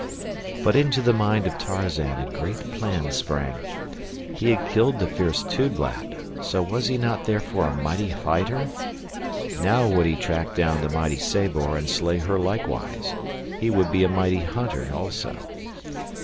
But into the mind of Tarzan a great plan sprang. He had killed the fierce Tublat, so was he not therefore a mighty fighter? Now would he track down the crafty Sabor and slay her likewise. He would be a mighty hunter, also.